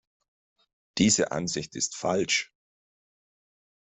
Diese Ansicht ist falsch.